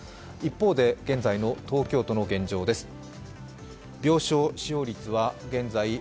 一方で、現在の東京都の現状です。